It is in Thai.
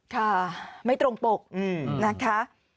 ค่ะไม่ตรงปกนะคะ